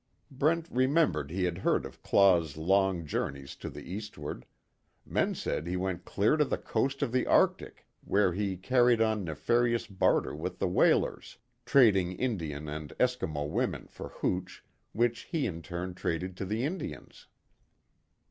Brent remembered he had heard of Claw's long journeys to the eastward men said he went clear to the coast of the Arctic where he carried on nefarious barter with the whalers, trading Indian and Eskimo women for hooch, which he in turn traded to the Indians.